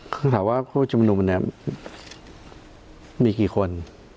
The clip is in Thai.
ก็ถามว่าผู้จำนวมมีกี่คน